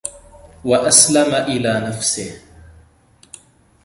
وَأَسْلَمَ إلَى نَفْسِهِ